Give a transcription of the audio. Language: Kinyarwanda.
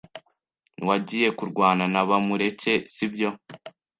Wagiye kurwana na Bamureke, sibyo?